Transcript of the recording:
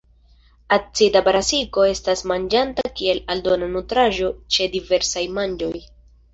Acida brasiko estas manĝata kiel aldona nutraĵo ĉe diversaj manĝoj.